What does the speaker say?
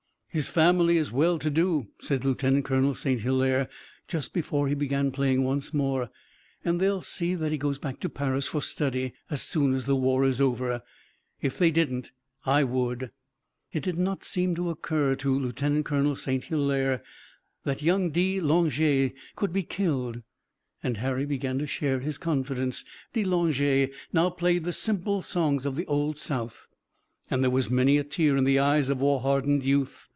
"His family is well to do," said Lieutenant Colonel St. Hilaire just before he began playing once more, "and they'll see that he goes back to Paris for study as soon as the war is over. If they didn't I would." It did not seem to occur to Lieutenant Colonel St. Hilaire that young de Langeais could be killed, and Harry began to share his confidence. De Langeais now played the simple songs of the old South, and there was many a tear in the eyes of war hardened youth.